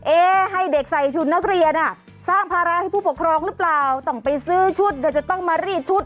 ให้เด็กใส่ชุดนักเรียนอ่ะสร้างภาระให้ผู้ปกครองหรือเปล่าต้องไปซื้อชุดเดี๋ยวจะต้องมารีดชุด